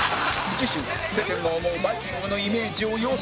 次週は世間が思うバイきんぐのイメージを予想